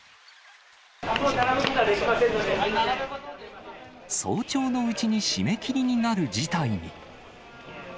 もう並ぶことはできませんの早朝のうちに締め切りになる事態に。